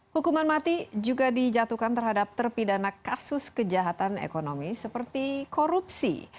hukuman mati juga dijatuhkan terhadap terpidana kasus kejahatan ekonomi seperti korupsi